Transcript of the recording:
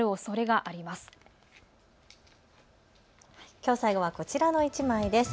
きょう最後はこちらの１枚です。